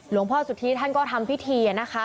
พ่อสุธิท่านก็ทำพิธีนะคะ